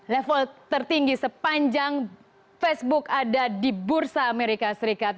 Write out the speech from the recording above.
level tertinggi sepanjang facebook ada di bursa amerika serikat